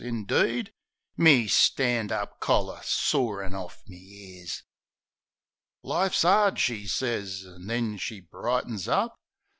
Indeed?" Me stand up collar sorin' orf me ears. "Life's 'ard," she sez, an' then she brightens up.